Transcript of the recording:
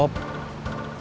kita bisa cari uang